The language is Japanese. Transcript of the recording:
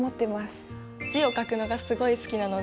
字を書くのがすごい好きなので。